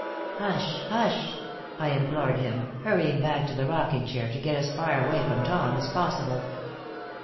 "Hush! hush!" I implored him, hurrying back to the rocking chair, to get as far away from Tom as possible.